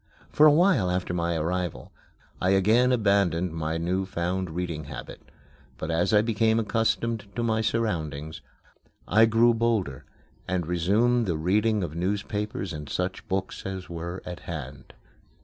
For a while after my arrival I again abandoned my new found reading habit. But as I became accustomed to my surroundings I grew bolder and resumed the reading of newspapers and such books as were at hand.